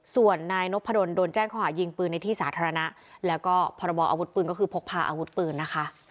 ส่วนนายนพดลโดนแจ้งข้อหายิงปืนในที่สาธารณะแล้วก็พรบออาวุธปืนก็คือพกพาอาวุธปืนนะคะ